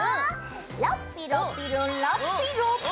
ラッピロッピロラッピロピ！